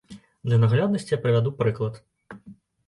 Для нагляднасці я прывяду прыклад.